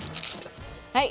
はい。